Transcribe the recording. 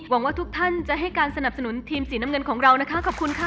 ว่าทุกท่านจะให้การสนับสนุนทีมสีน้ำเงินของเรานะคะขอบคุณค่ะ